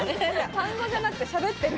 単語じゃなくてしゃべってる。